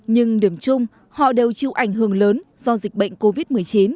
nhưng điểm chung họ đều chịu ảnh hưởng lớn do dịch bệnh covid một mươi chín